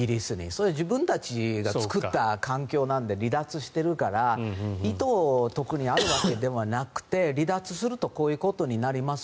それは自分たちが作った環境なので離脱してるから意図が特にあるわけではなくて離脱するとこういうことになります